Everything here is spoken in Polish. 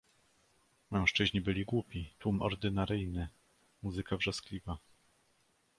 "Mężczyźni byli głupi, tłum ordynaryjny, muzyka wrzaskliwa."